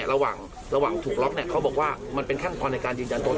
ระหว่างถูกล็อกคิดว่ามันเป็นขั้นตอนเอการยืนยันตน